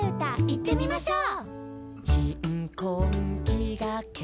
いってみましょう！